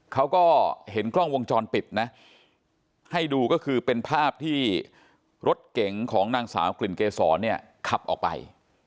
เขาก็เห็นกล้องวงจรปิดนะให้ดูก็คือเป็นภาพที่รถเก๋งของนางสาวกลิ่นเกษรเนี่ยขับออกไป